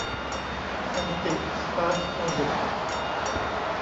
แอนติสปาสโมดิก